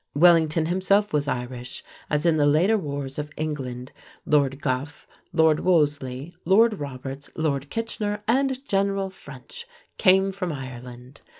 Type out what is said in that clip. Wellington himself was Irish, as in the later wars of England Lord Gough, Lord Wolseley, Lord Roberts, Lord Kitchener, and General French came from Ireland.